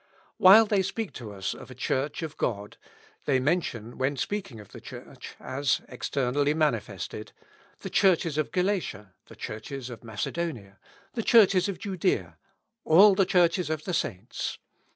While they speak to us of a Church of God, they mention, when speaking of the Church, as externally manifested, "the Churches of Galatia," "the Churches of Macedonia," "the Churches of Judea," "all the Churches of the Saints."